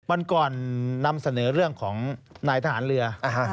วันก่อนนำเสนอเรื่องของนายทหารเรือ